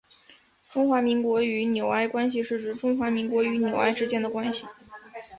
中华民国与纽埃关系是指中华民国与纽埃之间的关系。